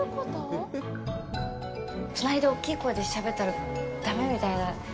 隣で大きい声でしゃべったらだめみたいな。